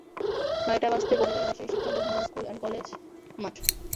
নয়টা বাজতেই ভরে গেল রাজশাহী শিক্ষা board model school and college মাঠ।